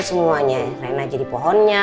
semuanya rena jadi pohonnya